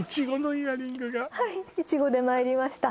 はいイチゴでまいりました